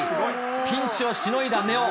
ピンチをしのいだ根尾。